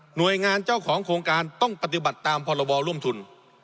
หน่วยงานเจ้าของโครงการต้องปฏิบัติตามพรบร่วมทุน